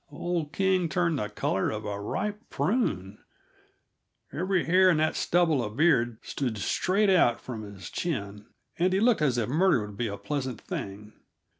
old King turned the color of a ripe prune; every hair in that stubble of beard stood straight out from his chin, and he looked as if murder would be a pleasant thing.